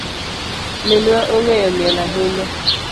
Minwa ongeyo miel ahinya.